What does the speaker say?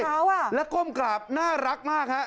ทำไมต้องกราบเขาและก้มกราบน่ารักมาก